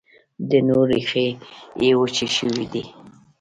د نور، ریښې یې وچي شوي دي